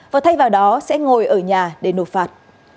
và thay vào đó sẽ ngồi ở nhà để nộp phạt